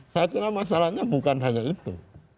saya kira masalahnya bukan hanya itu